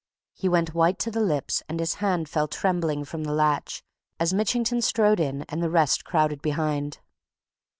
He went white to the lips and his hand fell trembling from the latch as Mitchington strode in and the rest crowded behind.